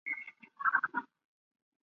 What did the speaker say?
孔东多布拉克人口变化图示